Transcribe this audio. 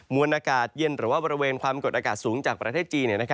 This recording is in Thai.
วนอากาศเย็นหรือว่าบริเวณความกดอากาศสูงจากประเทศจีน